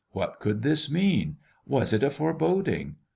What could this mean? Was it a foreboding?